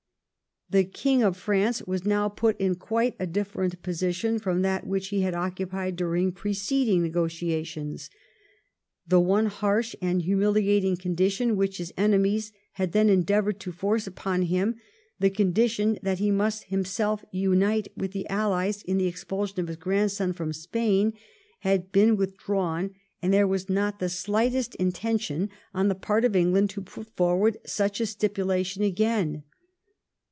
The King of France was now put in quite a different position from that which he had occupied during preceding negotiations. The one harsh and humiliating condition which his enemies had then endeavoured to force upon him, the condition that he must himself unite with the Allies in the expulsion of his grandson from Spain, had been withdrawn, and there was not the slightest intention on the part of 1711 THE CHANGE OF FRONT. 95 England to put forward such a stipulation again.